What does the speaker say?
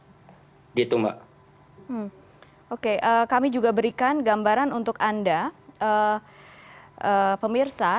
blokir di itu mbak oke kami juga berikan gambaran untuk anda pemirsa